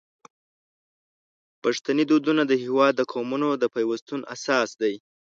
پښتني دودونه د هیواد د قومونو د پیوستون اساس دی.